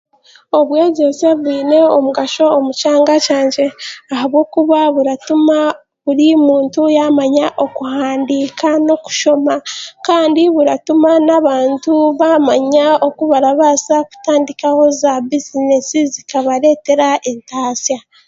Obwegyese bwine omugasho omu kyanga kyangye. Ahabwokuba biratuma buri muntu yaamanya okuhandiika n'okushoma. Kandi buratuma n'abantu baamanya okubarabaasa kutandikaho zaabizinesi zikabareetera entaasya.